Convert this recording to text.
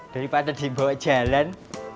daripada dibawa jalan